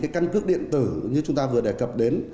căn cước điện tử như chúng ta vừa đề cập đến